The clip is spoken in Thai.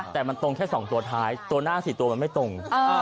แต่มันตรงแค่๒ตัวท้ายตัวหน้า๔ตัวมันไม่ตรง